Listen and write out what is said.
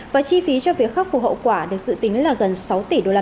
và chi phí cho việc khắc phục hậu quả được dự tính là gần sáu tỷ usd